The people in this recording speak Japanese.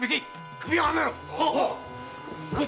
首をはねろ！